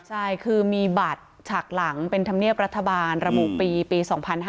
ใช่คือมีบัตรฉากหลังเป็นธรรมเนียบรัฐบาลระบุปีปี๒๕๕๙